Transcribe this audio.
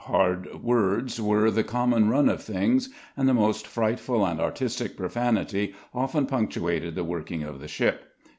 Hard words were the common run of things and the most frightful and artistic profanity often punctuated the working of the ship.